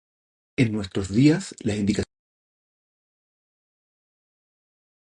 En nuestros días las indicaciones permiten una mejor preparación del viaje.